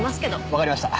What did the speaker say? わかりました。